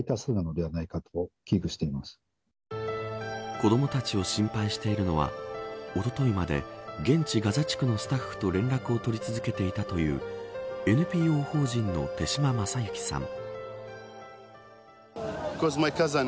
子どもたちを心配しているのはおとといまで現地、ガザ地区のスタッフと連絡をとり続けていたというＮＰＯ法人の手島正之さん。